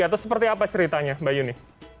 atau seperti apa ceritanya mbak yuni